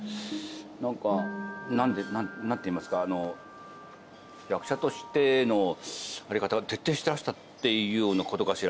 何ていいますか役者としての在り方が徹底してらしたっていうようなことかしら。